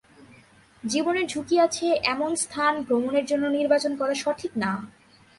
জীবনের ঝুঁকি আছে এমন স্থান ভ্রমণের জন্য নির্বাচন করা সঠিক না।